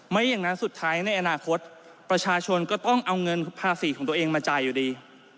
ไม่อย่างนั้นสุดท้ายในอนาคตประชาชนก็ต้องเอาเงินภาษีของตัวเองมาจ่ายอยู่ดี